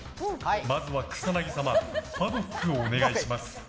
まずは、草薙様パドックをお願いします。